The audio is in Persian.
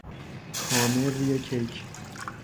خامه روی کیک